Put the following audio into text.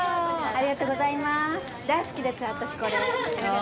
ありがとうございます。